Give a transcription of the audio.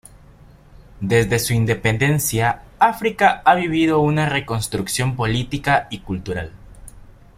Desde su independencia África ha vivido una reconstrucción política y cultural.